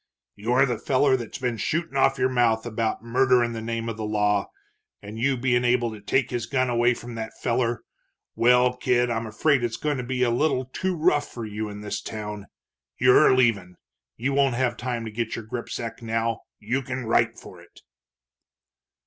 "You're the feller that's been shootin' off your mouth about murder in the name of the law, and you bein' able to take his gun away from that feller. Well, kid, I'm afraid it's goin' to be a little too rough for you in this town. You're leavin' you won't have time to git your gripsack now, you can write for it!"